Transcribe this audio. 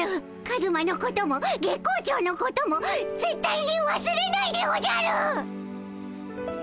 カズマのことも月光町のこともぜっ対にわすれないでおじゃる！